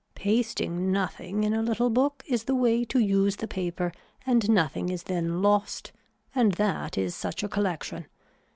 Pasting nothing in a little book is the way to use the paper and nothing is then lost and that is such a collection.